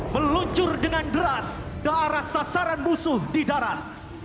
meluncur dengan deras ke arah sasaran musuh di darat